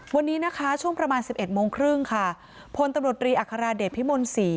วันนี้นะคะช่วงประมาณสิบเอ็ดโมงครึ่งค่ะทมรีอเดชน์พิมนศ์ศรี